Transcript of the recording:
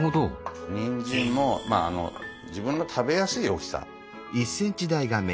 にんじんもまあ自分の食べやすい大きさ。